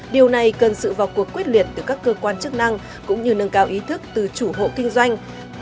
điều này cần sự vào cuộc quyết liệt từ các cơ quan chức năng cũng như nâng cao ý thức từ chủ hộ kinh doanh